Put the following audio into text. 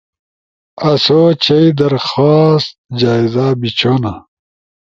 آسو چھئی درخواست جائزہ بیچھونا